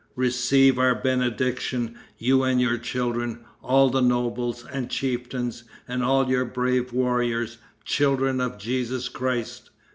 Receive our benediction, you and your children, all the nobles and chieftains, and all your brave warriors, children of Jesus Christ.